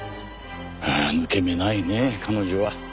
ああ抜け目ないね彼女は。